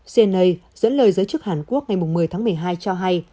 cnnei dẫn lời giới chức hàn quốc ngày một mươi tháng một mươi hai cho hay